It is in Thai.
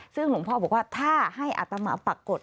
ซึ่งหลวงพ่อบอกว่าถ้าให้อาตมาปรากฏ